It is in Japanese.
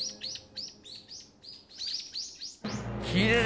きれい！